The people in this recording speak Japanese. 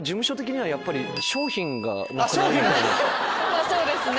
まぁそうですね。